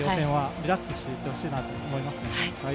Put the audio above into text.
リラックスしていってほしいなと思います。